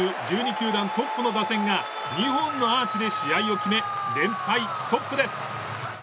球団トップの打線が２本のアーチで試合を決め連敗ストップです。